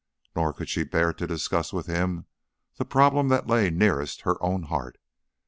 Nor could she bear to discuss with him the problem that lay nearest her own heart.